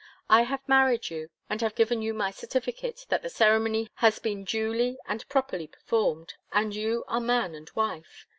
I have married you and have given you my certificate that the ceremony has been duly and properly performed, and you are man and wife.